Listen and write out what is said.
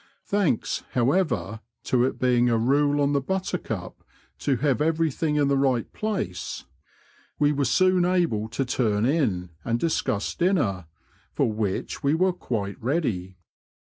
Thanks, however, to it being a rule on the Buttercup to have everything in the right place, we were soon able to turn in and discuss dinner, for which we were quite ready.